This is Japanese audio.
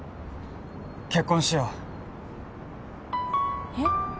結婚しようえっ！？